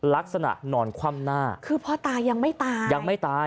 ลักษณะนอนคว่ำหน้าคือพ่อตายังไม่ตายยังไม่ตาย